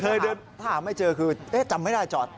ถ้าหาไม่เจอคือจำไม่ได้จอด